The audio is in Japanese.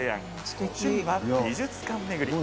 趣味は美術館巡り。